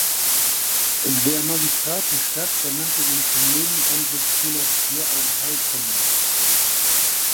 Der Magistrat der Stadt ernannte ihn zum nebenamtlichen Schularzt für Augenheilkunde.